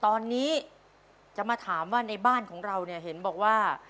ตอนนี้จะมาถามว่าในบ้านของเราเนี่ยเห็นบอกว่า